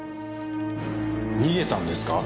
逃げたんですか？